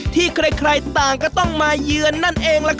ที่ใครต่างก็ต้องมาเยือนนั่นเองล่ะครับ